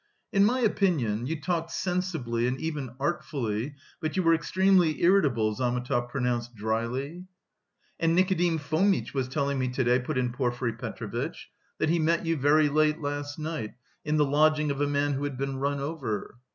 "In my opinion you talked sensibly and even artfully, but you were extremely irritable," Zametov pronounced dryly. "And Nikodim Fomitch was telling me to day," put in Porfiry Petrovitch, "that he met you very late last night in the lodging of a man who had been run over."